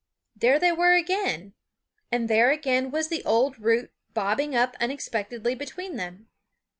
There they were again; and there again was the old root bobbing up unexpectedly between them.